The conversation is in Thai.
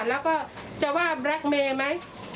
แล้วก็จะว่าแบล็คเมย์ไหม